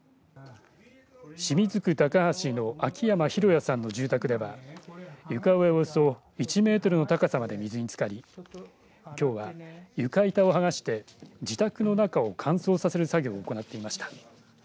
清水区高橋の秋山博野さんの住宅では床上およそ１メートルの高さまで水につかりきょうは床板を剥がして自宅の中を乾燥させる作業を行っていました。